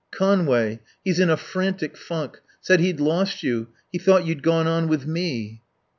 "Conway. He's in a frantic funk. Said he'd lost you. He thought you'd gone on with me."